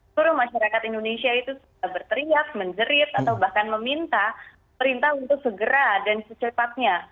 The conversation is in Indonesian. seluruh masyarakat indonesia itu sudah berteriak menjerit atau bahkan meminta perintah untuk segera dan secepatnya